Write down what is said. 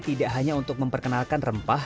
tidak hanya untuk memperkenalkan rempah